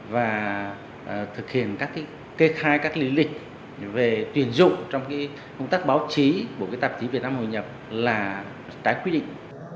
và thực hiện các kê khai các lý lịch về tuyển dụng trong công tác báo chí của tạp chí việt nam hội nhập là trái quy định